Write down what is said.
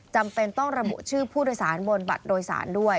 จำเป็นต้องระบุชื่อผู้โดยสารบนบัตรโดยสารด้วย